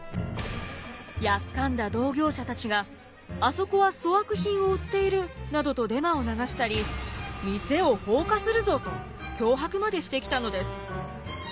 やっかんだ同業者たちがあそこは粗悪品を売っているなどとデマを流したり店を放火するぞと脅迫までしてきたのです。